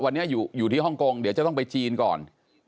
วันนี้อยู่ที่ฮ่องกงเดี๋ยวจะต้องไปจีนก่อน